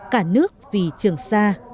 cả nước vì trường sa